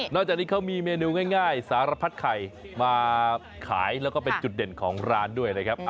จากนี้เขามีเมนูง่ายสารพัดไข่มาขายแล้วก็เป็นจุดเด่นของร้านด้วยนะครับ